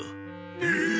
えっ！